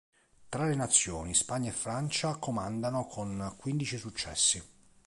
Tra le nazioni Spagna e Francia comandano con quindici successi.